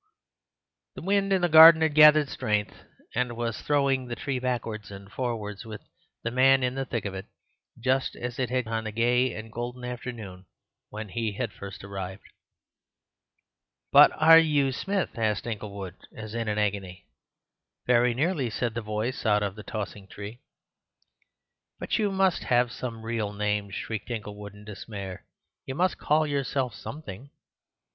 The wind in the garden had gathered strength, and was throwing the tree backwards and forwards with the man in the thick of it, just as it had on the gay and golden afternoon when he had first arrived. "But are you Smith?" asked Inglewood as in an agony. "Very nearly," said the voice out of the tossing tree. "But you must have some real names," shrieked Inglewood in despair. "You must call yourself something."